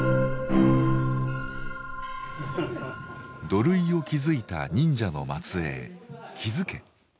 土塁を築いた忍者の末裔木津家。